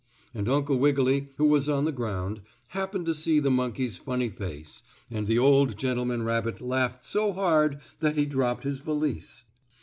And Uncle Wiggily, who was on the ground, happened to see the monkey's funny face, and the old gentleman rabbit laughed so hard that he dropped his valise.